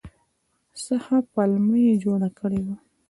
څه ښه پلمه یې جوړه کړې ده !